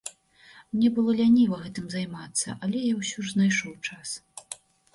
Мне было ляніва гэтым займацца, але я ўсё ж знайшоў час.